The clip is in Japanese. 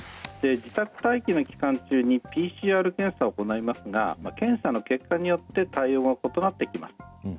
自宅待機の期間中にＰＣＲ検査を行いますが検査の結果によって対応が異なってきます。